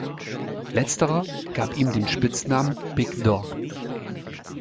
Letzterer gab ihm den Spitznamen „Big Dog“.